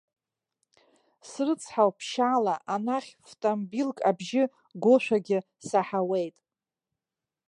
Срыцҳауп, ԥшьаала, анахь фтамбилк абжьы гошәагьы саҳауеит!